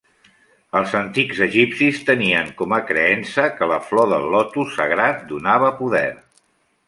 Els antics egipcis tenien com a creença que la flor del lotus sagrat donava poder.